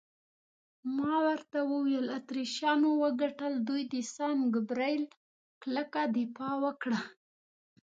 ما ورته وویل: اتریشیانو وګټل، دوی د سان ګبرېل کلکه دفاع وکړه.